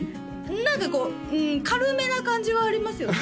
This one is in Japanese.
何かこううん軽めな感じはありますよね